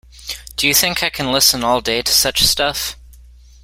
Do you think I can listen all day to such stuff?